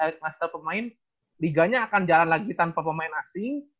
liganya akan jalan lagi tanpa pemain asing